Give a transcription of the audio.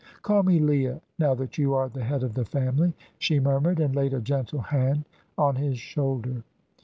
"Call me Leah, now that you are the head of the family," she murmured, and laid a gentle hand on his shoulder.